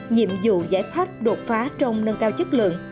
nhiệm vụ giải pháp đột phá trong nâng cao chất lượng